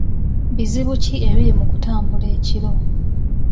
Bizibu ki ebiri mu kutambula ekiro?